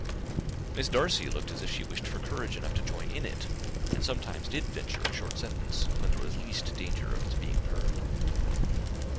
Miss Darcy looked as if she wished for courage enough to join in it; and sometimes did venture a short sentence, when there was least danger of its being heard.